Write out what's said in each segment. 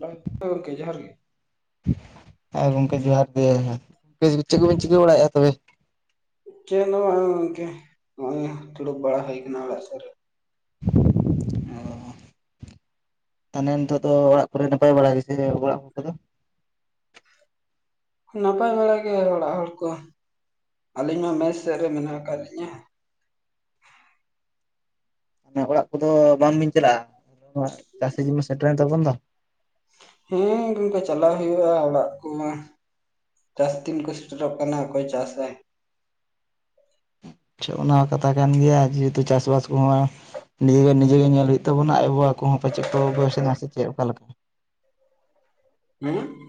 [unintelligible] ᱜᱚᱢᱠᱮ ᱡᱚᱦᱟᱨ ᱜᱮ ᱦᱮᱸ ᱜᱚᱝᱠᱮ ᱡᱚᱦᱟᱨ ᱜᱮ, ᱪᱮᱫ ᱠᱚᱵᱤᱱ ᱪᱤᱠᱟᱹ ᱵᱟᱲᱟᱭᱮᱫᱼᱟ ᱛᱚᱵᱮ? ᱪᱮᱫ ᱦᱚ ᱵᱟᱝ ᱜᱚᱢᱠᱮ ᱱᱚᱜ-ᱚᱭ ᱫᱩᱲᱩᱵ ᱵᱟᱲᱟ ᱦᱩᱭ ᱠᱟᱱᱟ ᱚᱲᱟᱜ ᱥᱩᱨ ᱨᱮ᱾ [inaudible] ᱛᱟᱦᱚᱞᱮ ᱱᱤᱛᱳᱜ ᱫᱚ ᱚᱲᱟᱜ ᱠᱚᱨᱮ ᱱᱟᱯᱟᱭ ᱵᱟᱲᱟ ᱜᱮᱥᱮ ᱚᱲᱟᱜ ᱦᱚᱲ ᱠᱚᱫᱚ? ᱱᱟᱯᱟᱭ ᱵᱟᱲᱟ ᱜᱮ ᱚᱲᱟᱜ ᱦᱚᱲ ᱠᱚ, ᱟᱹᱞᱤᱧ ᱢᱟ ᱢᱮᱥ ᱥᱮᱫ ᱨᱮ ᱢᱮᱱᱟᱜ ᱠᱟᱫ ᱞᱤᱧᱟᱹ᱾ ᱚᱲᱟᱜ ᱠᱚᱫᱚ ᱵᱟᱝ ᱵᱤᱱ ᱪᱟᱞᱟᱜᱼᱟ? ᱪᱟᱹᱥᱤ ᱡᱤᱵᱚᱱ ᱥᱮᱴᱮᱨᱮᱱ ᱛᱟᱵᱚᱱ ᱫᱚ᱾ ᱦᱮᱸ ᱜᱚᱝᱠᱮ ᱪᱟᱞᱟᱣ ᱦᱩᱭᱩᱜᱼᱟ ᱚᱲᱟᱜ ᱠᱚ ᱢᱟ᱾ ᱪᱟᱥ ᱫᱤᱱ ᱠᱚ ᱥᱮᱴᱮᱨᱚᱜ ᱠᱟᱱᱟ ᱚᱠᱚᱭ ᱪᱟᱥ ᱟᱭ᱾ ᱟᱪᱪᱷᱟ, ᱚᱱᱟ ᱦᱚᱸ ᱠᱟᱛᱷᱟ ᱠᱟᱱ ᱜᱮᱭᱟ ᱡᱮᱦᱮᱛᱩ ᱪᱟᱥᱵᱟᱥ ᱠᱚᱦᱚᱸ ᱱᱤᱡᱮᱨ ᱱᱤᱡᱮᱜᱮ ᱧᱮᱞ ᱦᱩᱭᱩᱜ ᱛᱟᱵᱚᱱᱟ ᱟᱭᱚ ᱵᱟᱵᱟ ᱠᱚ ᱦᱚᱸ ᱯᱟᱪᱮᱫ ᱠᱚ [unintelligible] ᱥᱮ ᱪᱮᱫ ᱚᱠᱟ ᱞᱮᱠᱟ ᱦᱮᱸ?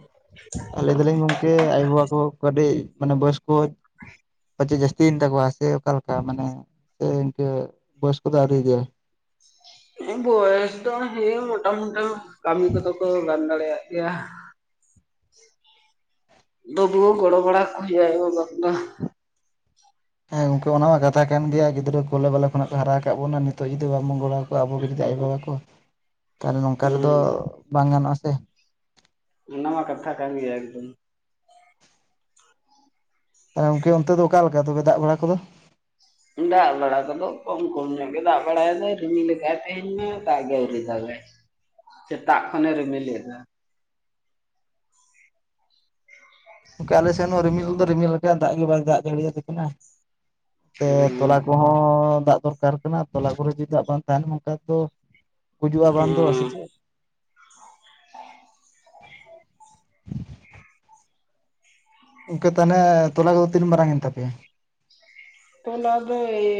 ᱟ ᱞᱟᱹᱭ ᱫᱟᱞᱤᱧ ᱜᱚᱢᱠᱮ ᱟᱭᱳ-ᱵᱟᱵᱟ ᱠᱚ ᱠᱟᱹᱴᱤᱡ ᱢᱟᱱᱮ ᱵᱚᱭᱚᱥᱠᱚ ᱯᱟᱪᱮ ᱡᱟᱹᱥᱛᱤᱭᱮᱱ ᱛᱟᱠᱚᱣᱟ ᱥᱮ ᱚᱠᱟᱞᱮᱠᱟ ᱢᱟᱱᱮ ᱥᱮ ᱤᱱᱠᱟᱹ ᱵᱚᱭᱚᱥ ᱠᱚ ᱫᱚ [unintelligible] ᱵᱚᱭᱚᱥ ᱫᱚ ᱦᱮᱸ ᱢᱚᱴᱟ-ᱢᱚᱴᱟ ᱠᱟᱹᱢᱤ ᱠᱚᱫᱚ ᱠᱚ ᱜᱟᱱ ᱫᱟᱲᱮᱭᱟᱜ ᱜᱮᱭᱟ᱾ [unintelligible] ᱜᱚᱲᱚ ᱵᱟᱲᱟ ᱠᱚ ᱦᱩᱭᱩᱜᱼᱟ [unintelligible] ᱦᱮᱸ ᱜᱚᱢᱠᱮ ᱚᱱᱟ ᱢᱟ ᱠᱟᱛᱷᱟ ᱠᱟᱱ ᱜᱮᱭᱟ ᱜᱤᱫᱽᱨᱟᱹ ᱠᱳᱞᱮ ᱵᱟᱞᱮ ᱠᱷᱚᱱᱟᱜ ᱠᱚ ᱦᱟᱨᱟ ᱠᱟᱜ ᱵᱚᱱᱟ, ᱱᱤᱛᱚᱜ ᱡᱩᱫᱤ ᱵᱟᱵᱚᱱ ᱜᱚᱲᱚ ᱟᱠᱚᱣᱟ ᱟᱵᱳ ᱵᱷᱤᱛᱨᱤ ᱨᱮ ᱟᱭᱳ-ᱵᱟᱵᱟ ᱠᱚ [inaudible] ᱛᱟᱦᱚᱞᱮ ᱱᱚᱝᱠᱟ ᱨᱮᱫᱚ ᱦᱮᱸ ᱵᱟᱝ ᱜᱟᱱᱚᱜᱼᱟ ᱥᱮ ᱚᱱᱟ ᱢᱟ ᱠᱟᱛᱷᱟ ᱠᱟᱱ ᱜᱮᱭᱟ ᱮᱜᱫᱚᱢ ᱛᱟᱦᱞᱮ ᱚᱱᱛᱮ ᱫᱚ ᱚᱠᱟ ᱞᱮᱠᱟ ᱛᱚᱵᱮ ᱫᱟᱜᱽ ᱵᱟᱲᱟ ᱠᱚᱫᱚ ᱫᱟᱜᱽ ᱵᱟᱲᱟ ᱠᱚᱫᱚ ᱠᱚᱢ ᱠᱚᱢ ᱧᱚᱜ ᱜᱮ ᱫᱟᱜᱽ ᱵᱟᱲᱟᱭᱮᱫᱟᱭ ᱨᱤᱢᱤᱞ ᱠᱟᱜᱼᱟᱭ ᱛᱮᱦᱮᱧ ᱢᱟ ᱛᱟᱜ ᱜᱮ ᱟᱹᱣᱨᱤ ᱫᱟᱜᱟᱭ ᱥᱮᱛᱟᱜ ᱠᱷᱚᱱᱮ ᱨᱤᱢᱤᱞᱮᱫ ᱨᱮᱦᱚ ᱜᱚᱝᱠᱮ ᱟᱞᱮᱥᱮᱫᱱ ᱦᱚᱸ ᱨᱤᱢᱤᱞ ᱫᱚ ᱨᱤᱢᱤᱞ ᱠᱟᱜᱼᱟᱭ ᱫᱟᱜᱽ ᱜᱮ ᱵᱟᱭ ᱫᱟᱜᱽ ᱡᱟᱹᱲᱤ ᱭᱟᱞᱮ ᱠᱟᱱᱟ᱾ ᱛᱮ ᱛᱚᱞᱟ ᱦᱩᱸ ᱠᱚᱦᱚᱸ ᱫᱟᱜᱽ ᱫᱚᱨᱠᱟᱨ ᱠᱟᱱᱟ᱾ ᱛᱚᱞᱟ ᱠᱚᱨᱮ ᱡᱩᱫᱤ ᱫᱟᱜᱽ ᱵᱟᱝ ᱛᱟᱦᱮᱱ ᱚᱱᱠᱟ ᱫᱚ ᱜᱩᱡᱩᱜᱼᱟ ᱵᱟᱝ ᱫᱚ ᱥᱮ ᱦᱮᱸ ᱪᱮᱫ? [unintelligible] ᱚᱱᱠᱮ ᱛᱟᱱᱮ ᱛᱚᱞᱟ ᱠᱚᱫᱚ ᱛᱤᱱ ᱢᱟᱨᱟᱝ ᱮᱱ ᱛᱟᱯᱮᱭᱟ? ᱛᱚᱞᱟ ᱫᱚ ᱮᱭ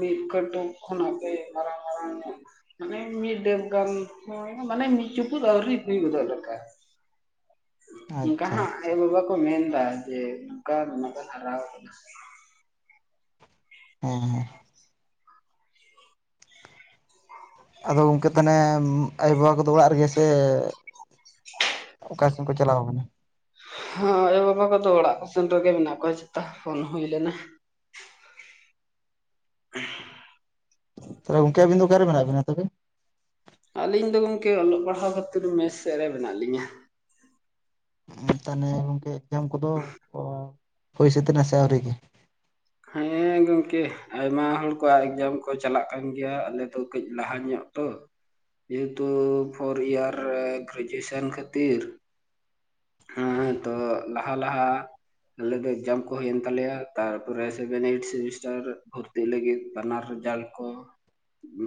ᱢᱤᱫ ᱠᱟᱹᱴᱩᱠ ᱠᱷᱚᱱᱟᱜ ᱜᱮ ᱢᱟᱨᱟᱝ ᱢᱟᱨᱟᱝ ᱧᱚᱜ ᱢᱟᱱᱮ ᱢᱤᱫ ᱰᱮᱵᱽ ᱜᱟᱱ ᱢᱟᱱᱮ ᱢᱤᱫ ᱪᱩᱯᱩᱫᱽ ᱟᱹᱣᱨᱤ ᱦᱩᱭ [unintelligible] ᱞᱮᱠᱟ ᱚᱱᱠᱟ ᱟᱪᱪᱷᱟ ᱦᱟᱸᱜ ᱟᱪᱪᱷᱟ ᱟᱭᱳᱼᱵᱟᱵᱟ ᱠᱚ ᱢᱮᱱ ᱫᱟ ᱡᱮ ᱱᱳᱝᱠᱟ ᱦᱟᱨᱟ ᱣᱟᱠᱟᱱᱟ᱾ ᱦᱮᱸ ᱦᱮᱸ [inaudible] ᱟᱫᱚ ᱜᱚᱝᱠᱮ ᱛᱟᱱᱮ ᱟᱭᱳᱼᱵᱟᱵᱟ ᱠᱚᱫᱚ ᱚᱲᱟᱜ ᱨᱮᱜᱮ ᱥᱮ ᱚᱠᱟ ᱥᱮᱱ ᱠᱚ ᱪᱟᱞᱟᱣ ᱟᱠᱟᱱᱟ? ᱦᱳᱸ ᱟᱭᱳᱼᱵᱟᱵᱟ ᱠᱚᱫᱚ ᱚᱲᱟᱜ ᱥᱮᱱ ᱨᱮᱜᱮ ᱢᱮᱱᱟᱜ ᱠᱚᱣᱟ ᱡᱷᱚᱛᱚ, ᱯᱷᱳᱱ ᱦᱩᱭ ᱞᱮᱱᱟ᱾ ᱛᱟᱵᱮ ᱜᱚᱝᱠᱮ ᱟᱹᱵᱤᱱ ᱫᱚ ᱚᱠᱟ ᱨᱮ ᱢᱮᱱᱟᱜ ᱵᱮᱱᱟ ᱛᱚᱵᱮ ᱟᱹᱞᱤᱧ ᱫᱚ ᱜᱚᱝᱠᱮ ᱚᱞᱚᱜ ᱯᱟᱲᱦᱟᱣ ᱠᱷᱟᱹᱛᱤᱨ ᱢᱮᱥ ᱥᱮᱜ ᱨᱮ ᱢᱮᱱᱟᱜ ᱞᱤᱧᱟᱹ᱾ ᱛᱟᱱᱮ ᱜᱚᱝᱠᱮ ᱮᱠᱡᱟᱢ ᱠᱚᱫᱚ ᱦᱩᱭ ᱥᱟᱹᱛ ᱱᱟ ᱥᱮ ᱟᱹᱣᱨᱤ ᱜᱮ ᱦᱮᱸ ᱜᱚᱝᱠᱮ ᱟᱭᱢᱟ ᱦᱚᱲ ᱠᱚᱣᱟᱜ ᱮᱠᱡᱟᱢ ᱠᱚ ᱪᱟᱞᱟᱜ ᱠᱟᱱ ᱜᱮᱭᱟ ᱟᱞᱮᱚ ᱠᱟᱹᱡᱽ ᱞᱟᱦᱟ ᱧᱚᱜ ᱛᱚ ᱡᱮᱦᱮᱛᱩ ᱯᱷᱳᱨ ᱤᱭᱟᱨ ᱜᱨᱮᱡᱩᱣᱮᱥᱟᱱ ᱠᱷᱟᱹᱛᱤᱨ ᱦᱮᱸ ᱛᱚ ᱞᱟᱦᱟ ᱞᱟᱦᱟ ᱟᱞᱮ ᱫᱚ ᱮᱠᱡᱟᱢ ᱠᱚ ᱦᱩᱭᱮᱱ ᱛᱟᱞᱮᱭᱟ ᱛᱟᱨᱯᱚᱨᱮ ᱥᱮᱵᱷᱮᱱ ᱮᱭᱤᱴ ᱥᱮᱢᱤᱥᱴᱟᱨ ᱠᱚ ᱛᱤ ᱞᱟᱹᱜᱤᱫ ᱵᱟᱱᱟᱨ ᱨᱮᱡᱟᱞᱴ ᱠᱚ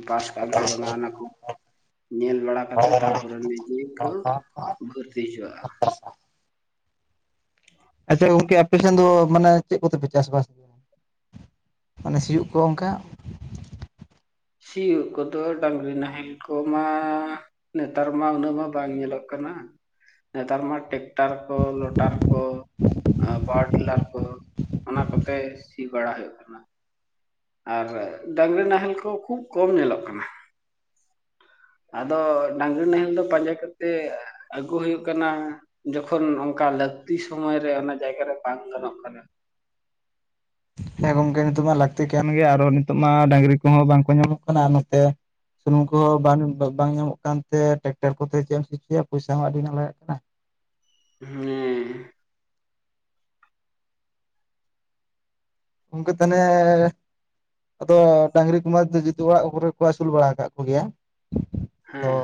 ᱯᱟᱥ ᱠᱟᱜ ᱟᱢ ᱥᱮ ᱵᱟᱝᱟ ᱚᱱᱟ ᱠᱚ ᱧᱮᱞ ᱵᱟᱲᱟ ᱠᱟᱛᱮᱜ ᱛᱟᱯᱚᱨᱮ ᱱᱤᱡᱮ ᱠᱚ ᱵᱷᱚᱨᱛᱤ ᱦᱚᱪᱚᱼᱟ᱾ ᱟᱪᱪᱷᱟ ᱜᱚᱝᱠᱮ ᱟᱯᱮᱥᱮᱱ ᱫᱚ ᱢᱟᱱᱮ ᱪᱮᱫ ᱠᱚᱛᱮᱯᱮ ᱪᱟᱥ ᱵᱟᱥ ᱜᱮᱭᱟ? ᱢᱟᱱᱮ ᱥᱤᱭᱩᱜ ᱠᱚ ᱳᱝᱠᱟ᱾ ᱥᱤᱭᱩᱜ ᱠᱚᱫᱚ ᱰᱟᱝᱜᱽᱨᱤ ᱱᱟᱦᱮᱞ ᱠᱚᱢᱟ ᱱᱮᱛᱟᱨ ᱢᱟ ᱩᱱᱟᱹᱜ ᱢᱟ ᱵᱟᱝ ᱧᱮᱞᱚᱜ ᱠᱟᱱᱟ᱾ ᱱᱮᱛᱟᱨ ᱢᱟ ᱴᱮᱠᱴᱟᱨ ᱠᱚ ᱞᱚᱴᱟᱨ ᱠᱚ ᱟᱸ ᱯᱟᱦᱚᱨᱴᱮᱞᱟᱨ ᱠᱚ ᱚᱱᱟ ᱠᱚᱛᱮ ᱥᱤ ᱵᱟᱲᱟ ᱦᱩᱭᱩᱜ ᱠᱟᱱᱟ᱾ ᱟᱨ ᱰᱟᱝᱜᱽᱨᱤ ᱱᱟᱦᱮᱞ ᱠᱚ ᱠᱷᱩᱵ ᱠᱚᱢ ᱧᱮᱞᱚᱜ ᱠᱟᱱᱟ᱾ ᱟᱫᱚ ᱰᱟᱝᱜᱽᱨᱤ ᱱᱟᱦᱮᱞ ᱫᱚ ᱯᱟᱧᱡᱟ ᱠᱟᱛᱮᱜ ᱟᱹᱜᱩ ᱦᱩᱭᱩᱜ ᱠᱟᱱᱟ ᱡᱚᱠᱷᱚᱱ ᱚᱱᱠᱟ ᱞᱟᱹᱠᱛᱤ ᱥᱚᱢᱚᱭᱨᱮ ᱚᱱᱟ ᱡᱟᱭᱜᱟᱨᱮ ᱵᱟᱝ ᱜᱟᱱᱚᱜ ᱠᱟᱱᱟ᱾ ᱦᱮᱸ ᱜᱚᱝᱠᱮ ᱱᱤᱛᱚᱜ ᱢᱟ ᱞᱟᱹᱠᱛᱤ ᱠᱟᱱ ᱜᱮᱭᱟ ᱟᱨᱚ ᱱᱤᱛᱚᱜ ᱢᱟ ᱰᱟᱹᱝᱜᱽᱨᱤ ᱠᱚᱦᱚᱸ ᱵᱟᱝᱠᱚ ᱧᱟᱢᱚᱜ ᱠᱟᱱᱟ ᱟᱨ ᱱᱚᱛᱮ ᱥᱩᱱᱩᱢ ᱠᱚ ᱵᱟᱝ ᱵᱟᱝ ᱧᱟᱢᱚᱜ ᱠᱟᱱ ᱛᱮ ᱴᱮᱠᱴᱟᱨ ᱠᱚᱛᱮ ᱪᱮᱫ ᱮᱢ ᱥᱤ ᱦᱚᱪᱚᱭᱟ ᱯᱚᱭᱥᱟ ᱦᱚᱸ ᱟᱹᱰᱤ ᱜᱟᱱ ᱞᱟᱜᱟᱜ ᱠᱟᱱᱟ᱾ ᱦᱮᱸ ᱜᱚᱝᱠᱮ ᱛᱟᱦᱞᱮ ᱟᱫᱚ ᱰᱟᱹᱝᱨᱤ ᱠᱚᱢᱟ ᱡᱚᱛᱚ ᱚᱲᱟᱜ ᱠᱚᱨᱮ ᱠᱚ ᱟᱹᱥᱩᱞ ᱵᱟᱲᱟ ᱟᱠᱟᱫ ᱠᱚᱜᱮᱭᱟ ᱟᱫᱚ ᱦᱮᱸ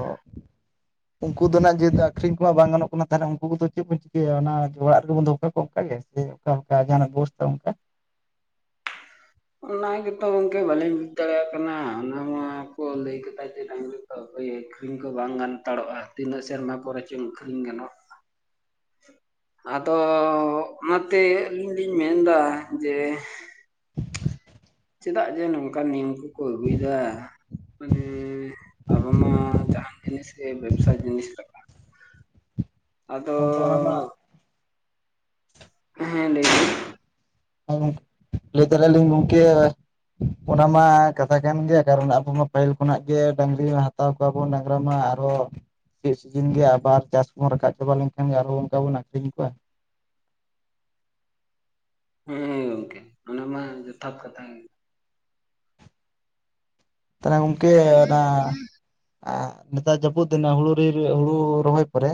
ᱩᱱᱠᱩ ᱫᱚ ᱱᱟᱸᱜ ᱡᱮᱦᱮᱛᱩ ᱟᱠᱷᱨᱤᱧ ᱠᱚᱢᱟ ᱵᱟᱝ ᱜᱟᱱᱚᱜ ᱠᱟᱱᱟ ᱛᱟᱦᱮᱱᱟ ᱩᱱᱠᱩ ᱠᱚᱫᱚ ᱪᱮᱫ ᱵᱚᱱ ᱪᱤᱠᱟᱹᱭᱟ ᱚᱱᱟ ᱚᱲᱟᱜ ᱨᱮᱜᱮ ᱵᱚᱱ ᱫᱚ ᱠᱟᱠᱚ ᱚᱱᱠᱟ ᱜᱮ ᱥᱮ ᱠᱟᱞᱠᱟ ᱡᱟᱦᱟᱱᱟᱜ ᱵᱮᱵᱚᱥᱛᱷᱟ ᱚᱱᱠᱟ ᱚᱱᱟ ᱜᱮᱛᱚ ᱜᱚᱝᱠᱮ ᱵᱟᱹᱞᱮᱧ ᱵᱩᱡᱽ ᱫᱟᱲᱮᱭᱟᱜ ᱠᱟᱱᱟ ᱚᱱᱟ ᱢᱟ ᱠᱚ ᱞᱟᱹᱭ ᱠᱟᱫᱟ ᱡᱮ ᱰᱟᱹᱝᱨᱤ ᱦᱳᱭ ᱟᱹᱠᱷᱨᱤᱧ ᱠᱚ ᱵᱟᱝ ᱜᱟᱱ ᱦᱟᱛᱟᱲᱚᱜᱼᱟ ᱛᱤᱱᱟᱹᱜ ᱥᱮᱨᱢᱟ ᱯᱚᱨᱮ ᱪᱚᱝ ᱟᱹᱠᱷᱨᱤᱧ ᱜᱟᱱᱚᱜ ᱟᱫᱚ ᱚᱱᱟ ᱛᱮ ᱟᱹᱞᱤᱧ ᱞᱤᱧ ᱢᱮᱱ ᱮᱫᱟ ᱡᱮ ᱪᱮᱫᱟᱜ ᱡᱮ ᱱᱚᱝᱠᱟᱱ ᱱᱤᱭᱚᱢ ᱠᱚᱠᱚ ᱟᱹᱜᱩᱭᱮᱫᱟ᱾ ᱢᱟᱱᱮ ᱟᱵᱚ ᱢᱟ ᱡᱟᱦᱟᱱ ᱡᱤᱱᱤᱥ ᱜᱮ ᱵᱮᱵᱽᱥᱟ ᱡᱤᱱᱤᱥ ᱞᱮᱠᱟ᱾ ᱟᱫᱚ ᱚᱱᱠᱟ ᱢᱟᱱᱟᱜ ᱢᱟ [unintelligible] ᱦᱮᱸ ᱞᱟᱹᱭ ᱵᱤᱱ ᱦᱮᱸ ᱜᱚᱝᱠᱮ ᱞᱟᱹᱭ ᱫᱟᱲᱮᱭᱟᱜᱼᱟ ᱞᱤᱧ ᱜᱚᱝᱠᱮ, ᱚᱱᱟ ᱢᱟ ᱠᱟᱛᱷᱟ ᱠᱟᱱ ᱜᱮ ᱠᱟᱨᱚᱱ ᱟᱵᱚ ᱢᱟ ᱯᱟᱹᱦᱤᱞ ᱠᱷᱚᱱᱟᱜ ᱜᱮ ᱰᱟᱹᱝᱨᱤ ᱢᱟ ᱦᱟᱛᱟᱣ ᱠᱚᱣᱟ ᱵᱚᱱ ᱰᱟᱝᱨᱟ ᱢᱟ ᱟᱨᱚ ᱠᱤᱪᱷᱩ ᱫᱤᱱᱜᱮ ᱜᱮ ᱟᱵᱟᱨ ᱪᱟᱥ ᱠᱚᱦᱚᱸ ᱨᱟᱠᱟᱵ ᱪᱟᱵᱟ ᱞᱮᱱᱠᱷᱟᱱ ᱜᱮ ᱟᱨᱚ ᱚᱱᱠᱟ ᱵᱚᱱ ᱟᱠᱷᱨᱤᱧ ᱠᱚᱣᱟ᱾ ᱦᱮᱸ, ᱜᱚᱝᱠᱮ ᱚᱱᱟ ᱢᱟ ᱡᱚᱛᱷᱟᱛ ᱠᱟᱛᱷᱟ ᱜᱮ᱾ ᱛᱟᱦᱚᱞᱮ ᱜᱚᱝᱠᱮ ᱚᱱᱟ ᱟᱨ ᱱᱮᱛᱟᱨ ᱡᱟᱹᱯᱩᱫ ᱫᱤᱱᱟ ᱦᱩᱲᱩ ᱦᱩᱲᱩ ᱨᱚᱦᱚᱭ ᱯᱚᱨᱮ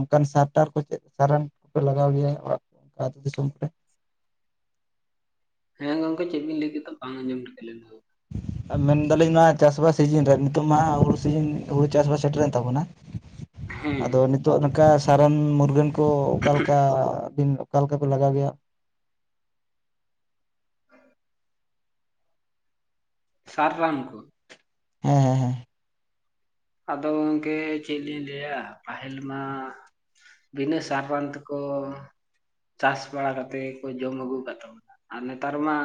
ᱚᱱᱠᱟᱱ ᱥᱟᱨ ᱴᱟᱨ ᱠᱚ ᱪᱮᱫ ᱥᱟᱨ ᱮᱢ ᱠᱚᱯᱮ ᱞᱟᱜᱟᱣ ᱜᱮᱭᱟ ᱟᱹᱛᱩ ᱫᱤᱥᱚᱢ ᱠᱚᱨᱮ? ᱦᱮᱸ ᱜᱚᱝᱠᱮ ᱪᱮᱫ ᱵᱤᱱ ᱞᱟᱹᱭ ᱠᱮᱫᱟ ᱵᱟᱝ ᱟᱸᱡᱚᱢ ᱴᱷᱤᱠᱟᱹ ᱞᱮᱱ ᱫᱚ? ᱢᱮᱱ ᱫᱟᱞᱤᱧ ᱱᱚᱣᱟ ᱪᱟᱥ ᱵᱟᱥ ᱥᱤᱡᱤᱱ ᱨᱮ, ᱱᱤᱛᱚᱜ ᱢᱟ ᱦᱩᱲᱩ ᱥᱤᱡᱤᱱ ᱦᱩᱲᱩ ᱪᱟᱥ ᱵᱟᱥ ᱥᱮᱴᱮᱨᱮᱱ ᱛᱟᱵᱚᱱᱟ᱾ [inaudible] ᱟᱫᱚ ᱱᱤᱛᱚᱜ ᱱᱚᱝᱠᱟ ᱥᱟᱨᱟᱱ ᱢᱩᱨᱜᱟᱹᱱ ᱠᱚ ᱚᱠᱟ ᱞᱮᱠᱟ? ᱫᱤᱱ ᱚᱠᱟ ᱞᱮᱠᱟ ᱯᱮ ᱞᱟᱜᱟᱣ ᱜᱮᱭᱟ? [inaudible] ᱥᱟᱨ ᱨᱟᱱ ᱠᱚ? ᱦᱮᱸ, ᱦᱮᱸ, ᱦᱮᱸ, ᱟᱫᱚ ᱜᱚᱝᱠᱮ ᱪᱮᱫ ᱞᱤᱧ ᱞᱟᱹᱭᱟ ᱯᱟᱦᱤᱞ ᱢᱟ ᱵᱤᱱᱟᱹ ᱥᱟᱨᱵᱟᱱ ᱛᱮᱠᱚ ᱪᱟᱥ ᱵᱟᱲᱟ ᱠᱟᱛᱮ ᱜᱮᱠᱚ ᱡᱚᱢ ᱟᱹᱜᱩ ᱟᱠᱟᱜ ᱛᱟᱵᱚᱱᱟ ᱟᱨ ᱱᱮᱛᱟᱨ ᱢᱟ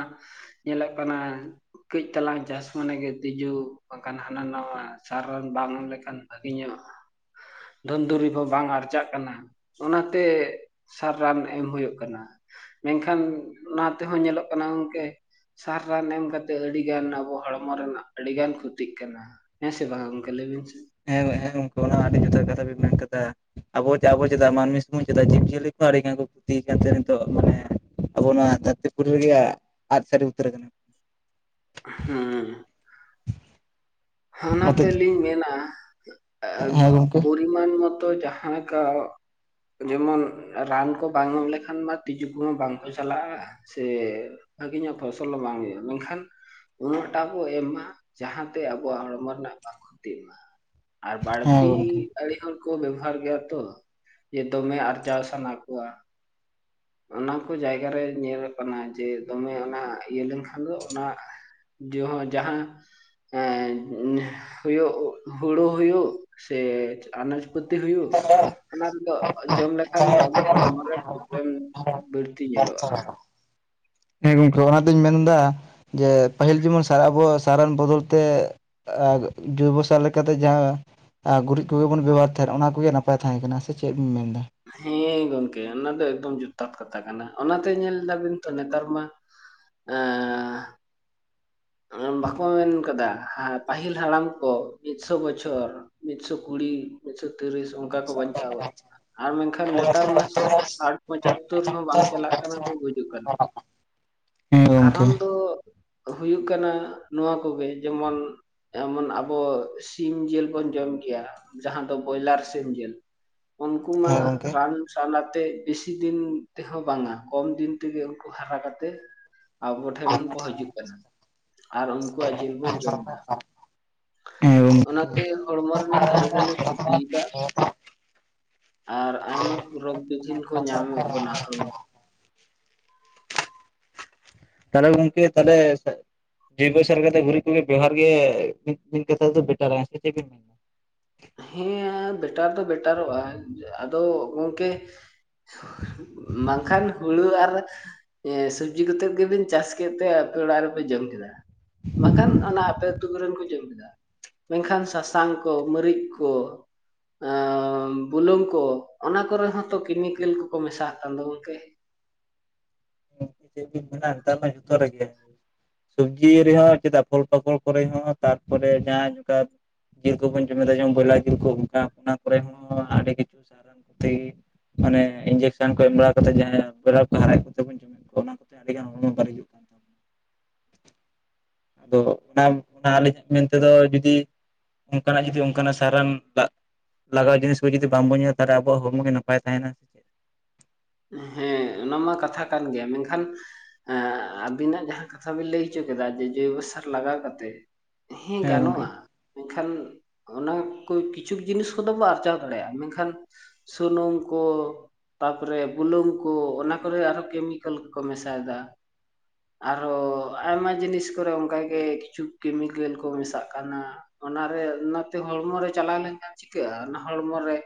ᱧᱮᱞᱚᱜ ᱠᱟᱱᱟ ᱠᱟᱹᱡ ᱛᱟᱞᱟᱝ ᱪᱟᱥ ᱢᱟᱱᱮ ᱜᱮ ᱛᱤᱡᱩ ᱵᱟᱝ ᱠᱷᱟᱱ ᱦᱟᱱᱟ ᱱᱟᱣᱟ ᱥᱟᱨ ᱨᱟᱱ ᱵᱟᱝ ᱮᱢ ᱞᱮᱠᱷᱟᱱ ᱵᱷᱟᱹᱜᱤ ᱧᱚᱜ, ᱫᱷᱚᱱ ᱫᱩᱨᱤᱵ ᱦᱚᱸ ᱵᱟᱝ ᱟᱨᱡᱟᱜ ᱠᱟᱱᱟ ᱾ ᱚᱱᱟᱛᱮ ᱥᱟᱨ ᱨᱟᱱ ᱮᱢ ᱦᱳᱭᱳᱜ ᱠᱟᱱᱟ ᱾ ᱢᱮᱱᱠᱷᱟᱱ ᱚᱱᱟ ᱛᱮᱦᱚᱸ ᱧᱮᱞᱚᱜ ᱠᱟᱱᱟ ᱜᱚᱝᱠᱮ ᱥᱟᱨ ᱨᱟᱱ ᱮᱢ ᱠᱟᱛᱮ ᱟᱹᱰᱤ ᱜᱟᱱ ᱟᱵᱚ ᱦᱚᱲᱢᱚ ᱨᱮᱱᱟᱜ ᱟᱹᱰᱤ ᱜᱟᱱ ᱠᱷᱚᱛᱤᱜ ᱠᱟᱱᱟ ᱦᱮᱸᱥᱮ ᱵᱟᱝ? ᱠᱮ ᱞᱟᱹᱭ ᱵᱮᱱ ᱥᱮ ᱦᱮᱸ, ᱦᱮᱸ, ᱜᱚᱝᱠᱮ ᱚᱱᱟ ᱟᱹᱰᱤ ᱡᱚᱛᱷᱟᱛ ᱠᱟᱛᱷᱟ ᱵᱤᱱ ᱢᱮᱱ ᱠᱟᱫᱟ᱾ ᱟᱵᱚ, ᱟᱵᱚ ᱪᱮᱫᱟᱜ ᱢᱟᱹᱱᱢᱤ ᱥᱩᱫᱷᱩ, ᱪᱮᱫᱟᱜ ᱡᱤᱵᱽ ᱡᱤᱭᱟᱹᱞᱤ ᱠᱚᱣᱟᱜ ᱟᱹᱰᱤ ᱜᱟᱱ ᱠᱚ ᱠᱷᱩᱛᱤ ᱠᱟᱱ ᱛᱮ ᱱᱤᱛᱚᱜ ᱢᱟᱱᱮ ᱟᱵᱚ ᱱᱚᱣᱟ ᱫᱷᱟᱹᱨᱛᱤ ᱯᱩᱨᱤ ᱨᱮᱜᱮ ᱟᱫ ᱥᱟᱹᱨᱤ ᱩᱛᱟᱹᱨ ᱠᱟᱱᱟ᱾ ᱦᱩᱸ, ᱦᱟᱱᱟ ᱱᱚᱛᱮ ᱛᱮᱞᱤᱧ ᱢᱮᱱᱟ, ᱦᱮᱸ ᱜᱚᱝᱠᱮ ᱯᱚᱨᱤᱢᱟᱱ ᱢᱚᱛᱚ ᱡᱟᱦᱟᱸ ᱠᱚ ᱡᱮᱢᱚᱱ ᱨᱟᱱ ᱠᱚ ᱵᱟᱝ ᱮᱢ ᱞᱮᱠᱷᱟᱱ ᱢᱟ, ᱛᱤᱡᱩ ᱠᱚᱦᱚᱸ ᱵᱟᱝ ᱠᱚ ᱪᱟᱞᱟᱜ-ᱟ, ᱥᱮ ᱵᱷᱟᱹᱜᱤ ᱧᱚᱜ ᱯᱷᱚᱥᱚᱞ ᱦᱚᱸ ᱵᱟᱝ ᱦᱳᱭᱳᱜᱼᱟ᱾ ᱢᱮᱱᱠᱷᱟᱱ ᱩᱱᱟᱹᱜ ᱴᱟᱜ ᱵᱚ ᱮᱢ ᱢᱟ ᱡᱟᱦᱟᱸ ᱛᱮ ᱟᱵᱚ ᱟᱵᱚᱣᱟᱜ ᱦᱚᱲᱢᱚ ᱨᱮᱱᱟᱜ ᱵᱟᱝ ᱠᱷᱚᱛᱤᱜ ᱢᱟ, ᱟᱨ ᱦᱮᱸ ᱵᱟᱹᱲᱛᱤ ᱜᱚᱝᱠᱮ ᱟᱹᱰᱤ ᱦᱚᱲ ᱠᱚ ᱵᱮᱵᱚᱦᱟᱨ ᱜᱮᱭᱟ ᱛᱚ, ᱡᱮ ᱫᱚᱢᱮ ᱟᱨᱡᱟᱣ ᱥᱟᱱᱟ ᱠᱚᱣᱟ᱾ ᱚᱱᱟ ᱠᱚ ᱡᱟᱭᱜᱟ ᱨᱮ ᱧᱮᱞ ᱠᱟᱱᱟ ᱡᱮ, ᱫᱚᱢᱮ ᱚᱱᱟ ᱤᱭᱟᱹ ᱞᱮᱱᱠᱷᱟᱱ ᱫᱚ ᱚᱱᱟ ᱡᱚ ᱦᱚᱸ ᱡᱟᱦᱟᱸ ᱦᱮᱸ, ᱦᱳᱭᱳᱜ, ᱦᱳᱲᱳ ᱦᱳᱭᱳᱜ ᱥᱮ ᱟᱱᱟᱡᱽ ᱠᱷᱚᱛᱤ ᱦᱳᱭᱳᱜ, ᱚᱱᱟ ᱨᱮᱫᱚ ᱡᱚᱢ ᱞᱮᱠᱷᱟᱱ ᱫᱚ ᱟᱵᱚ ᱦᱚᱲᱢᱚ ᱨᱮ ᱯᱨᱚᱵᱞᱮᱢ ᱵᱟᱹᱲᱛᱤ ᱧᱮᱞᱚᱜᱼᱟ᱾ ᱦᱮᱸ ᱜᱚᱢᱠᱮ ᱚᱱᱟᱛᱤᱧ ᱢᱮᱱᱫᱟ, ᱡᱮ ᱯᱟᱹᱦᱤᱞ ᱡᱮᱢᱚᱱ ᱥᱟᱨ ᱨᱟᱱ ᱟᱵᱚ ᱥᱟᱨ ᱨᱟᱱ ᱵᱚᱫᱚᱞ ᱛᱮ ᱟᱨ ᱡᱳᱭᱵᱚ ᱥᱟᱨ ᱞᱮᱠᱟᱛᱮ ᱡᱟᱦᱟᱸ ᱟᱨ ᱜᱩᱨᱤᱡ ᱠᱚᱜᱮ ᱵᱚᱱ ᱵᱮᱵᱚᱦᱟᱨ ᱛᱟᱦᱮᱸᱫ, ᱚᱱᱟ ᱠᱚᱜᱮ ᱱᱟᱯᱟᱭ ᱛᱟᱦᱮᱸ ᱠᱟᱱᱟ ᱥᱮ ᱪᱮᱫ ᱵᱤᱱ ᱢᱮᱱᱫᱟ? ᱦᱮᱸ ᱜᱚᱢᱠᱮ ᱚᱱᱟ ᱫᱚ ᱮᱠᱫᱚᱢ ᱡᱚᱛᱷᱟᱛ ᱠᱟᱛᱷᱟ ᱠᱟᱱᱟ, ᱚᱱᱟᱛᱮ ᱧᱮᱞ ᱫᱟᱵᱤᱱ ᱛᱚ ᱱᱮᱛᱟᱨ ᱢᱟ ᱮᱸ, ᱵᱟᱠᱚ ᱢᱮᱱᱠᱟᱫᱟ, ᱯᱟᱹᱦᱤᱞ ᱦᱟᱲᱟᱢ ᱠᱚ ᱮᱠᱥᱚ ᱵᱚᱪᱷᱚᱨ ᱢᱤᱫᱥᱚ ᱠᱩᱲᱤ, ᱢᱤᱫᱥᱚ ᱛᱤᱨᱤᱥ, ᱚᱱᱠᱟ ᱠᱚ ᱵᱟᱧᱪᱟᱣᱟ ᱟᱨ ᱢᱮᱱᱠᱷᱟᱱ ᱱᱮᱛᱟᱨ ᱢᱟ ᱥᱟᱴ ᱯᱚᱪᱟᱛ ᱛᱩᱨ ᱦᱚᱸ ᱵᱟᱝ ᱪᱟᱞᱟᱜ ᱠᱟᱱᱟ ᱠᱚ ᱜᱩᱡᱩᱜ ᱠᱟᱱᱟ᱾ ᱦᱮᱸ ᱜᱚᱝᱠᱮ ᱠᱟᱨᱚᱱ ᱫᱚᱜ ᱦᱩᱭᱩᱜ ᱠᱟᱱᱟ ᱱᱚᱣᱟ ᱠᱚᱜᱮ ᱡᱮᱢᱚᱱ ᱮᱢᱚᱱ ᱟᱵᱚ ᱥᱤᱢ ᱡᱤᱞ ᱵᱚᱱ ᱡᱚᱢ ᱜᱮᱭᱟ, ᱡᱟᱦᱟᱸ ᱫᱚ ᱵᱚᱭᱞᱟᱨ ᱥᱤᱢ ᱡᱤᱞ, ᱩᱱᱠᱩ ᱦᱮᱸ ᱢᱟᱜ ᱜᱚᱝᱠᱮ ᱨᱟᱱ- ᱨᱟᱱ ᱟᱛᱮ ᱵᱤᱥᱤ ᱫᱤᱱ ᱛᱮᱦᱚᱸ ᱵᱟᱝ ᱟ ᱠᱚᱢ ᱫᱤᱱ ᱛᱮᱜᱮ ᱩᱱᱠᱩ ᱦᱟᱨᱟ ᱠᱟᱛᱮ ᱟᱵᱚ ᱴᱷᱮᱱ ᱠᱚ ᱦᱟᱡᱩᱜ ᱠᱟᱱᱟ ᱟᱨ ᱩᱱᱠᱩᱣᱟᱜ ᱡᱤᱞ ᱵᱚᱱ ᱡᱚᱢ ᱮᱫᱟ᱾ ᱦᱮᱸ ᱜᱚᱝᱠᱮ ᱚᱱᱟᱛᱮ ᱦᱚᱲᱢᱚ ᱨᱮᱱᱟᱜ ᱟᱹᱰᱤ ᱜᱟᱱᱮ ᱠᱷᱩᱛᱤ ᱭᱮᱫᱟ, ᱟᱨ ᱟᱭᱢᱟᱠ ᱨᱳᱜ ᱵᱤᱡᱤᱱ ᱠᱚ ᱧᱟᱢᱮᱫ ᱵᱚᱱᱟ ᱦᱟᱺᱲᱩ᱾ ᱛᱟᱦᱚᱞᱮ ᱜᱚᱢᱠᱮ ᱛᱟᱞᱮ ᱥᱮᱫ ᱡᱩᱭᱵᱚ ᱥᱟᱨ ᱠᱟᱛᱮ ᱜᱩᱨᱤᱡ ᱠᱚᱜᱮ ᱵᱮᱵᱦᱟᱨ ᱜᱮ, [unintelligible] ᱵᱮᱴᱟ ᱨᱟᱸᱥᱟ ᱪᱮᱫ ᱮ ᱢᱮᱱ᱾ ᱦᱮᱸ ᱭᱟ ᱵᱮᱴᱟᱨ ᱫᱚ ᱵᱮᱴᱟᱨᱚᱜᱼᱟ ᱟᱫᱚ ᱜᱚᱢᱠᱮ [inaudible] ᱵᱟᱝᱠᱷᱟᱱ ᱦᱩᱲᱩ ᱟᱨ ᱦᱮᱸᱭᱮ ᱥᱩᱵᱽᱡᱤ ᱠᱚᱛᱮᱫ ᱜᱮᱵᱤᱱ ᱪᱟᱥ ᱠᱮᱛ ᱛᱮ ᱟᱯᱮ ᱚᱲᱟᱜ ᱨᱮᱯᱮ ᱡᱚᱢ ᱠᱮᱫᱟ, ᱵᱟᱝᱠᱷᱟᱱ ᱚᱱᱟ ᱟᱯᱮ ᱟᱹᱛᱩ ᱠᱚᱨᱮᱱ ᱠᱚ ᱡᱚᱢ ᱠᱮᱫᱟ, ᱢᱮᱱᱠᱷᱟᱱ ᱥᱟᱥᱟᱝ ᱠᱚ ᱢᱟᱹᱨᱤᱠ ᱠᱚ ᱦᱮᱸ ᱚ ᱵᱩᱞᱩᱝ ᱠᱚ ᱚᱱᱟ ᱠᱚᱨᱮ ᱦᱚᱸᱛᱚ ᱠᱮᱢᱤᱠᱮᱞ ᱠᱚᱠᱚ ᱢᱮᱥᱟᱜ ᱟᱜ ᱠᱟᱱ ᱫᱚ ᱜᱚᱢᱠᱮ, [unintelligible] ᱪᱮᱫ ᱵᱤᱱ ᱢᱮᱱᱟ ᱱᱮᱛᱟᱨ ᱢᱟ ᱡᱚᱛᱚ ᱨᱮᱜᱮ ᱾ ᱥᱩᱵᱽᱡᱤ ᱨᱮᱦᱚᱸ ᱪᱮᱫᱟᱜ ᱯᱷᱚᱞ ᱯᱟᱠᱚᱲ ᱠᱚᱨᱮ ᱦᱚᱸ ᱛᱟᱨᱯᱚᱨᱮ ᱡᱟᱦᱟᱸ ᱡᱚᱠᱟᱛ ᱡᱤᱞ ᱠᱚᱵᱚᱱ ᱡᱚᱢ ᱮᱫᱟ ᱡᱚᱢ ᱵᱷᱚᱨ ᱞᱟᱡ ᱡᱤᱞ ᱠᱚ [inaudible] ᱚᱱᱟ ᱠᱚᱨᱮ ᱦᱚᱸ ᱟᱹᱰᱤ ᱠᱤᱪᱷᱩ ᱥᱟᱦᱨᱟᱣ [unintelligible] ᱢᱟᱱᱮ ᱤᱧᱡᱮᱠᱥᱳᱱ ᱠᱚ ᱮᱢ ᱵᱟᱲᱟ ᱠᱟᱛᱮ ᱡᱟᱦᱟᱸ ᱵᱚᱭᱞᱟᱨ ᱠᱚ ᱥᱟᱭᱮᱫ ᱠᱚᱛᱮ ᱵᱚᱱ ᱡᱚᱢᱮᱫ ᱠᱚᱣᱟ ᱚᱱᱟ ᱠᱚᱛᱮ ᱟᱹᱰᱤ ᱜᱟᱱ ᱦᱚᱲᱢᱚ ᱵᱟᱹᱲᱤᱡᱚᱜᱼ ᱟᱫᱚ ᱚᱱᱟ ᱚᱱᱟ ᱟᱹᱞᱤᱧᱟᱜ ᱢᱮᱱ ᱛᱮᱫᱚ ᱟᱹᱰᱤᱫᱤᱱ ᱚᱱᱠᱟᱱᱟᱜ ᱡᱩᱫᱤ ᱚᱱᱠᱟᱱᱟᱜ ᱥᱟᱨᱟᱱ ᱞᱟᱜ- ᱞᱟᱜᱟᱣ ᱡᱤᱱᱤᱥ ᱠᱚ ᱡᱩᱫᱤ ᱵᱟᱝ ᱵᱚᱱ ᱧᱩᱛᱟᱨᱟᱜᱼᱟ, ᱟᱵᱳᱣᱟᱜ ᱦᱚᱲᱢᱚ ᱜᱮ ᱱᱟᱯᱟᱭ ᱛᱟᱦᱮᱸᱱᱟ᱾ ᱦᱮᱸ ᱚᱱᱟ ᱢᱟ ᱠᱟᱛᱷᱟ ᱠᱟᱱ ᱜᱮᱭᱟ ᱢᱮᱱᱠᱷᱟᱱ ᱦᱮᱸ ᱟᱹᱵᱤᱱᱟᱜ ᱡᱟᱦᱟᱸ ᱠᱟᱛᱷᱟ ᱵᱤᱱ ᱞᱟᱹᱭ ᱦᱚᱪᱚ ᱠᱮᱫᱟ ᱡᱮ, ᱡᱳ ᱡᱳᱭ ᱵᱚᱥᱟᱨ ᱞᱟᱜᱟᱣ ᱠᱟᱛᱮ ᱦᱮᱸ ᱜᱟᱱᱚᱜᱼᱟ᱾ ᱢᱮᱸᱠᱷᱟᱱ ᱚᱱᱟ ᱠᱩᱭ ᱠᱤᱪᱷᱩᱠ ᱡᱤᱱᱤᱥ ᱠᱚᱫᱚ ᱵᱚ ᱟᱨᱡᱟᱣ ᱫᱟᱲᱮᱭᱟᱜᱼᱟ ᱢᱮᱱᱠᱷᱟᱱ, ᱥᱩᱱᱩᱢ ᱠᱚ ᱯᱚᱨᱮ ᱵᱩᱞᱩᱝ ᱠᱚ ᱚᱱᱟ ᱠᱚᱨᱮ ᱟᱨᱦᱚ ᱠᱮᱢᱤᱠᱮᱞ ᱠᱚᱠᱚ ᱢᱮᱥᱟᱭᱮᱫᱟ᱾ ᱟᱨᱦᱚ ᱟᱭᱢᱟ ᱡᱤᱱᱤᱥ ᱠᱚᱨᱮ ᱚᱸᱠᱟᱜᱮ ᱠᱤᱪᱷᱩᱠ ᱠᱮᱢᱤᱠᱮᱞ ᱠᱚ ᱢᱮᱥᱟᱜ ᱠᱟᱱᱟ, ᱚᱱᱟᱨᱮ ᱚᱱᱟᱛᱮ ᱦᱚᱲᱢᱚ ᱨᱮ ᱪᱟᱞᱟᱣ ᱞᱮᱱᱠᱷᱟᱱ ᱪᱤᱠᱟᱹᱜᱼᱟ, ᱚᱱᱟ ᱦᱚᱲᱢᱚ ᱨᱮ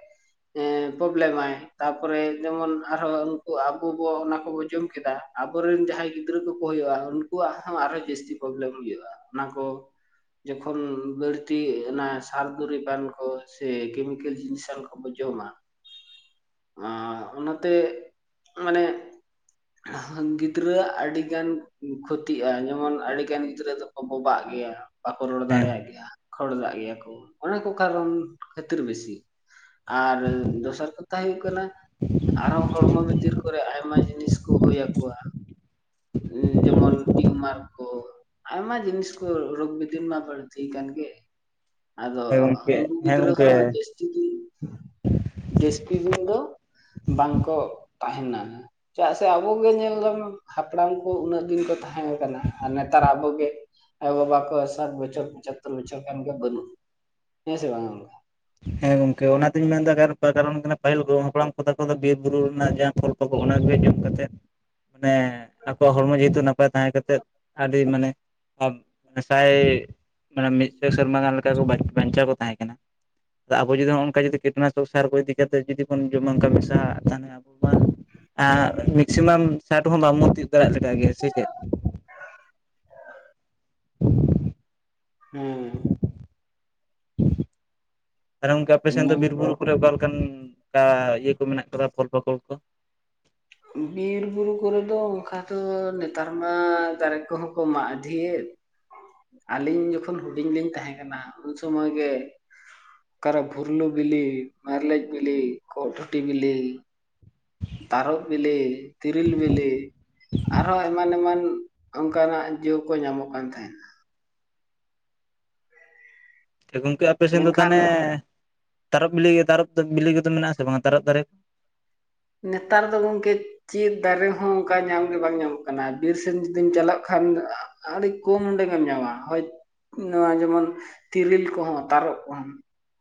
ᱦᱮᱸ ᱯᱚᱵᱮᱞᱮ ᱢᱟᱭ ᱛᱟᱯᱚᱨᱮ ᱡᱮᱢᱚᱱ ᱟᱨᱦᱚ ᱩᱱᱠᱩ ᱟᱵᱚ ᱵᱚ ᱚᱱᱟ ᱠᱚᱵᱚ ᱡᱚᱢ ᱠᱮᱫᱟ, ᱟᱵᱚᱨᱤᱱ ᱡᱟᱦᱟᱸᱭ ᱜᱤᱫᱽᱨᱟᱹ ᱠᱚᱠᱚ ᱦᱩᱭᱩᱜᱼᱟ, ᱩᱱᱩᱠ- ᱩᱠᱩᱣᱟᱜ ᱦᱚᱸ ᱟᱨᱦᱚᱸ ᱡᱟᱹᱥᱛᱤ ᱯᱨᱚᱵᱚᱞᱚᱢ ᱦᱩᱭᱩᱜᱼᱟ, ᱚᱱᱟ ᱠᱚ ᱡᱚᱠᱷᱚᱱ ᱵᱟᱹᱲᱛᱤ ᱚᱱᱟ ᱥᱟᱨ ᱯᱩᱨᱤ ᱵᱟᱱ ᱠᱚ ᱥᱮ ᱠᱮᱢᱤᱠᱮᱞ ᱡᱤᱱᱤᱥ ᱟᱱ ᱠᱚᱵᱚ ᱡᱚᱢᱟ, ᱟᱸ ᱚᱱᱟᱛᱮᱜ ᱢᱟᱱᱮ ᱦᱟᱝ ᱜᱤᱫᱽᱨᱟᱹ ᱟᱜ ᱟᱹᱰᱤᱜᱟᱱ ᱠᱷᱩᱛᱤᱜᱼᱟ, ᱡᱮᱢᱚᱱ ᱟᱹᱰᱤᱜᱟᱱ ᱜᱤᱫᱽᱨᱟᱹ ᱫᱚᱠᱚ ᱵᱚᱵᱟᱜ ᱜᱮᱭᱟ᱾ ᱵᱟᱠᱚ ᱨᱚᱲ ᱫᱟᱲᱮᱭᱟᱜ ᱦᱮᱸ ᱜᱮᱭᱟ ᱠᱷᱚᱲᱫᱟᱜ ᱜᱮᱭᱟᱜ ᱠᱚ ᱚᱱᱟᱠᱚ ᱠᱟᱨᱚᱱ ᱠᱷᱟᱹᱛᱤᱨ ᱵᱮᱥᱤ᱾ ᱟᱨ ᱫᱚᱥᱟᱨ ᱠᱟᱛᱷᱟ ᱦᱩᱭᱩᱜ ᱠᱟᱱᱟ, ᱟᱨᱦᱚ ᱦᱚᱲᱢᱚ ᱵᱷᱤᱛᱤᱨ ᱠᱚᱨᱮ ᱟᱭᱢᱟ ᱡᱤᱱᱤᱥ ᱠᱚ ᱦᱩᱭ ᱭᱟᱠᱚᱣᱟ᱾ ᱩᱸ ᱡᱮᱢᱚᱱ ᱴᱤᱭᱩ ᱢᱟᱨ ᱠᱚ, ᱟᱭᱢᱟ ᱡᱤᱱᱤᱥ ᱠᱚ ᱨᱳᱜᱽ ᱵᱤᱫᱤᱱ ᱨᱮᱱᱟᱜ ᱵᱟᱹᱨᱫᱷᱤ ᱠᱟᱱ ᱜᱮ᱾ ᱟᱫᱚ ᱦᱮᱸ ᱦᱮᱸ ᱜᱚᱝᱠᱮ ᱩᱱᱠᱩ ᱦᱮᱸ ᱜᱤᱫᱽᱨᱟᱹ ᱜᱚᱝᱠᱮ ᱦᱚᱸ ᱡᱟᱹᱥ- ᱪᱤᱫᱤᱝ, ᱰᱮᱥᱠᱤ ᱫᱤᱱ ᱫᱚ, ᱵᱟᱝᱠᱚᱜ ᱛᱟᱦᱮᱸᱱᱟ, ᱪᱮᱫᱟᱜ ᱥᱮ ᱟᱵᱚ ᱜᱮ ᱧᱮᱞ ᱫᱚᱝ ᱦᱟᱯᱲᱟᱢ ᱠᱚ ᱩᱱᱟᱹᱜ ᱫᱤᱱ ᱠᱚ ᱛᱟᱦᱮᱸ ᱭᱟᱠᱟᱱᱟ ᱟᱨ ᱱᱮᱛᱟᱨ ᱟᱵᱚᱜᱮ ᱟᱭᱳᱼᱵᱟᱵᱟ ᱠᱚ ᱥᱟᱛ ᱵᱚᱪᱷᱚᱨ ᱯᱚᱪᱷᱟᱛ ᱛᱚᱨ ᱵᱚᱪᱷᱚᱨ ᱠᱷᱟᱱ ᱜᱮ ᱵᱟᱹᱱᱩᱜ, ᱦᱮᱸᱥᱮ ᱵᱟᱝᱼᱟ, ᱜᱚᱝᱠᱮ ᱾ ᱦᱮᱸ ᱜᱚᱝᱠᱮ ᱚᱱᱟᱛᱤᱧ ᱢᱮᱱ ᱮᱫᱟ ᱠᱟᱨᱚ ᱯᱟ ᱠᱟᱨᱚᱱ ᱠᱟᱱᱟ ᱯᱟᱹᱦᱤᱞ ᱠᱚ ᱦᱟᱯᱲᱟᱢ ᱠᱚ ᱛᱟᱠᱚ ᱫᱚ ᱵᱤᱨ ᱵᱩᱨᱩ ᱨᱮᱱᱟᱜ ᱡᱟᱝ ᱯᱷᱚᱞ ᱛᱚᱜᱚ ᱚᱱᱟ ᱱᱤᱭᱟᱹ ᱡᱚᱢ ᱠᱟᱛᱮᱫ ᱱᱮ ᱟᱠᱚᱣᱟᱜ ᱦᱚᱲᱢᱚ ᱡᱮᱦᱮᱛᱩ ᱱᱟᱯᱟᱭ ᱛᱟᱦᱮᱸ ᱠᱟᱛᱮᱫ ᱟᱹᱰᱤ ᱢᱟᱱᱮ ᱥᱟᱭ ᱢᱟᱱᱮ ᱢᱤᱫᱥᱟᱭ ᱥᱮᱨᱢᱟ ᱜᱟᱱ ᱞᱮᱠᱟ ᱠᱚ ᱵᱟᱧᱪᱟᱣ ᱠᱚ ᱛᱟᱦᱮᱸ ᱠᱟᱱᱟ ᱟᱵᱚ ᱡᱩᱫᱤ ᱱᱚᱼᱚ ᱱᱚᱠᱟ ᱠᱤᱴᱱᱟᱥᱚᱠ ᱥᱟᱨ ᱠᱚ ᱤᱫᱤ ᱠᱟᱛᱮ ᱡᱩᱫᱤ ᱵᱚᱱ ᱡᱚᱢᱚᱱᱠᱟ ᱢᱮᱥᱟᱜ ᱠᱷᱟᱱ ᱢᱮᱠᱥᱤᱢᱟᱢ ᱥᱟᱴ ᱦᱚᱸ ᱵᱟᱢ ᱛᱤᱭᱩᱜ ᱫᱟᱲᱮ ᱞᱮᱠᱟ ᱜᱮ ᱥᱮ ᱪᱮᱫ ᱦᱩᱸ ᱟᱨ ᱦᱚᱸ ᱚᱝᱠᱟ ᱟᱯᱮ ᱥᱮᱫ ᱫᱚ ᱵᱤᱨ ᱵᱩᱨᱩ ᱠᱚᱨᱮ ᱚᱠᱟᱞ ᱞᱮᱠᱟᱱ ᱠᱟ ᱤᱭᱟᱹ ᱠᱚ ᱢᱮᱱᱟᱜ ᱠᱟᱫᱟ ᱯᱷᱚᱞᱼᱯᱷᱟᱠᱚᱲ ᱠᱚ ᱵᱤᱨ ᱵᱩᱨᱩ ᱠᱚᱨᱮᱫᱚ ᱚᱱᱠᱟ ᱫᱚ ᱱᱮᱛᱟᱨ ᱢᱟ ᱫᱟᱨᱮ ᱠᱚᱦᱚᱸ ᱠᱚ ᱢᱟᱜᱫᱷᱤᱭᱮᱫ ᱟᱹᱞᱤᱧ ᱡᱚᱠᱷᱚᱱ ᱦᱩᱰᱤᱧ ᱞᱤᱧ ᱛᱟᱦᱮᱸ ᱠᱟᱱᱟ ᱩᱱ ᱥᱚᱢᱚᱭ ᱜᱮ ᱚᱠᱟᱨᱮ ᱵᱷᱩᱨᱞᱩ ᱵᱤᱞᱤ ᱢᱟᱨᱟᱞᱮᱡᱽ ᱵᱤᱞᱤ ᱠᱚᱜ ᱴᱩᱴᱤ ᱵᱤᱞᱤ ᱛᱟᱨᱚᱯ ᱵᱤᱞᱤ ᱛᱤᱨᱤᱞ ᱵᱤᱞᱤ ᱟᱨᱦᱚᱸ ᱮᱢᱟᱱ ᱮᱢᱟᱱ ᱚᱱᱠᱟᱱᱟᱜ ᱡᱚ ᱠᱚ ᱧᱟᱢᱚᱜ ᱠᱟᱱ ᱛᱟᱦᱮᱱᱟ ᱜᱚᱢᱠᱮ ᱟᱯᱮ ᱥᱮᱱ ᱫᱚ ᱛᱟᱱᱮ ᱢᱮᱱᱠᱷᱟᱱ ᱛᱟᱨᱚᱯ ᱵᱤᱞᱤ ᱛᱟᱨᱯ ᱵᱤᱞᱤ ᱜᱮᱛᱚ ᱢᱮᱱᱟᱜᱼᱟ ᱟᱥᱮ ᱵᱟᱝᱟ ᱛᱟᱨᱚᱯ ᱫᱟᱨᱮ ᱱᱮᱛᱟᱨ ᱫᱚ ᱜᱚᱢᱠᱮ ᱪᱮᱫ ᱫᱟᱨᱮ ᱦᱚᱸ ᱚᱱᱠᱟ ᱧᱟᱢᱜᱮ ᱵᱟᱝ ᱧᱟᱢᱚᱜ ᱠᱟᱱᱟ ᱵᱤᱨ ᱥᱮᱱ ᱡᱩᱫᱤᱢ ᱪᱟᱞᱟᱜ ᱠᱷᱟᱱ ᱟᱹᱰᱤ ᱠᱚᱢ ᱩᱰᱮᱜᱮᱢ ᱧᱟᱢᱟ ᱦᱳᱭ ᱱᱚᱣᱟ ᱡᱮᱢᱚᱱ ᱛᱤᱨᱤᱞ ᱠᱚᱦᱚᱸ ᱛᱟᱨᱚᱵ ᱠᱚᱦᱚᱸ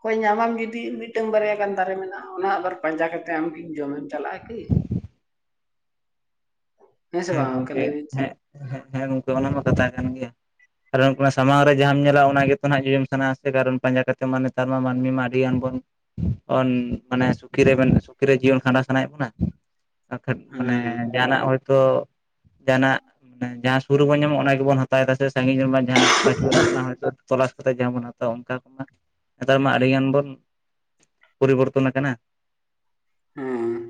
ᱦᱚᱭ ᱧᱟᱢᱟᱢ ᱡᱩᱫᱤ ᱢᱤᱫᱴᱟᱝ ᱵᱟᱨᱭᱟ ᱜᱟᱱ ᱫᱟᱨᱮ ᱢᱮᱱᱟᱜᱼᱟ ᱚᱱᱟ ᱟᱵᱟᱨ ᱯᱟᱸᱡᱟ ᱠᱟᱛᱮ ᱟᱢᱜᱤᱧ ᱡᱚᱢᱟ ᱪᱟᱞᱟᱜᱼᱟ ᱠᱤ ᱦᱮᱸᱥᱮ ᱦᱮᱸ ᱵᱟᱝ ᱚᱱᱠᱟ ᱞᱟᱹᱭ ᱜᱚᱝᱠᱮ ᱦᱮᱸ ᱦᱮᱸ ᱦᱮᱸ ᱜᱚᱝᱠᱮ ᱚᱱᱟ ᱢᱟ ᱠᱟᱛᱷᱟ ᱠᱟᱱ ᱜᱮᱭᱟ ᱠᱟᱨᱚᱱ [unintelligible] ᱥᱟᱢᱟᱝ ᱨᱮ ᱡᱟᱦᱟᱸᱟᱢ ᱧᱮᱞᱟ ᱚᱱᱟ ᱜᱮᱛᱚ ᱦᱟᱸᱜ ᱡᱚᱡᱚᱢ ᱥᱟᱱᱟ ᱥᱮ ᱠᱟᱨᱚᱱ ᱯᱟᱸᱡᱟ ᱠᱟᱛᱮ ᱢᱟ ᱱᱮᱛᱟᱨ ᱢᱟ ᱢᱟᱹᱱᱢᱤ ᱢᱟ ᱟᱹᱰᱤ ᱜᱟᱱ ᱵᱚᱱ ᱢᱟᱱᱮ ᱥᱩᱠᱷᱤ ᱨᱮ ᱥᱩᱠᱷᱤ ᱨᱮ ᱡᱤᱭᱚᱱ ᱠᱷᱟᱸᱰᱟᱣ ᱥᱟᱱᱟᱭᱮᱫ ᱵᱚᱱᱟ ᱠᱷᱟᱱ ᱦᱮᱸ ᱢᱟᱱᱮ ᱡᱟᱦᱟᱱᱟᱜ ᱦᱳᱭᱛᱳ ᱡᱟᱦᱟᱱᱟᱜ ᱡᱟᱦᱟᱸ ᱵᱩᱨᱩ ᱵᱚᱱ ᱧᱟᱢᱚᱜᱼᱟ ᱜᱮᱵᱚᱱ ᱦᱟᱛᱟᱣᱮᱫᱟ ᱥᱮ ᱥᱟᱺᱜᱤᱧ ᱨᱮᱱᱢᱟ ᱡᱟᱦᱟᱸ ᱵᱟᱪᱩᱜ [unintelligible] ᱚᱱᱟ ᱦᱚᱭᱛᱳ ᱛᱚᱞᱟᱥ ᱡᱟᱦᱟᱸ ᱵᱚᱱ ᱦᱟᱛᱟᱣᱟ ᱚᱱᱠᱟ ᱠᱚᱢᱟ ᱱᱮᱛᱟᱨ ᱢᱟ ᱟᱹᱰᱤ ᱜᱟᱱ ᱵᱚᱱ ᱯᱚᱨᱤᱵᱚᱨᱛᱚᱱ ᱟᱠᱟᱱᱟ ᱦᱮᱸ